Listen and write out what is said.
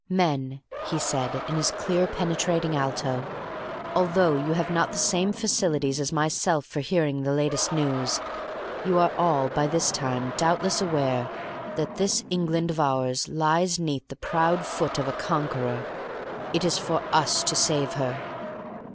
"Men," he said, in his clear, penetrating alto, "although you have not the same facilities as myself for hearing the latest news, you are all, by this time, doubtless aware that this England of ours lies 'neath the proud foot of a conqueror. It is for us to save her.